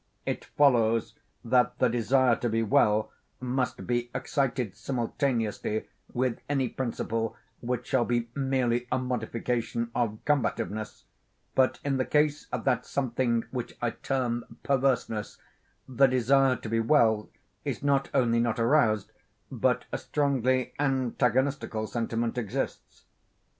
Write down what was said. It follows, that the desire to be well must be excited simultaneously with any principle which shall be merely a modification of combativeness, but in the case of that something which I term perverseness, the desire to be well is not only not aroused, but a strongly antagonistical sentiment exists.